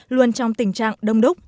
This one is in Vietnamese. luôn trong tình trạng đông đúc